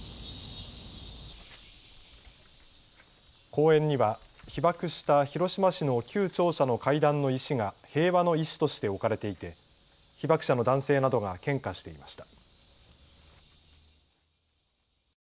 公園には被爆した広島市の旧庁舎の階段の石が平和の石として置かれていて被爆者の男性などが献花していました。